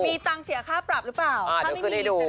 มีต่างเสียค่าปรับก็ก็พูดให้ให้ดู